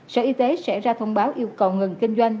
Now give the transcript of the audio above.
sở y tế sẽ ra thông báo yêu cầu ngừng kinh doanh